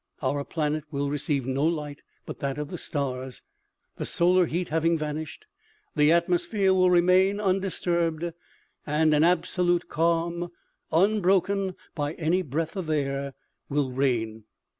Our planet will receive no light but that of the stars. The solar heat having vanished, the atmosphere will remain un disturbed, and an absolute calm, unbroken by any breath of air, will reign.